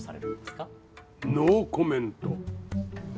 ノーコメント。